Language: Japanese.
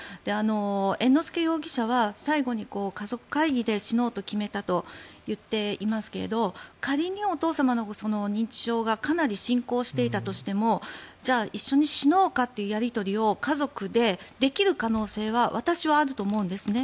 猿之助容疑者は最後に家族会議で死のうと決めたと言っていますが仮にお父様の認知症がかなり進行していたとしてもじゃあ一緒に死のうかというやり取りを家族でできる可能性は私はあると思うんです。